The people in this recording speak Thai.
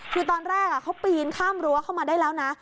คือตอนแรกเขาปีนข้ามรั้วเข้ามาได้แล้วนะ